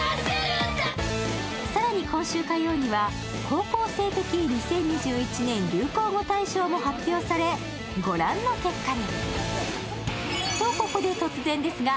更に、今週火曜には高校生的２０１２１年流行語大賞も発表され御覧の結果に。